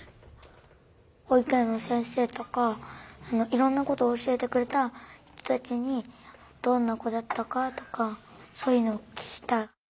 ほいく園の先生とかいろんなことをおしえてくれた人たちにどんなこだったかとかそういうのをききたい。